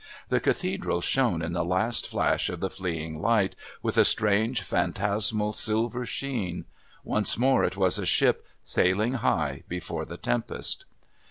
The Cathedral shone in the last flash of the fleeing light with a strange phantasmal silver sheen; once more it was a ship sailing high before the tempest.